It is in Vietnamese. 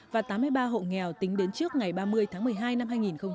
và tám mươi ba hộ nghèo tính đến trước ngày ba mươi tháng một mươi hai năm hai nghìn hai mươi